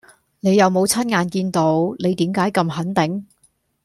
你又冇親眼見到，你點解咁肯定